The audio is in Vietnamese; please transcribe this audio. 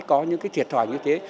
có những cái thiệt thòi như thế